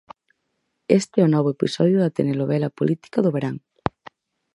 Este é o novo episodio da telenovela política do verán.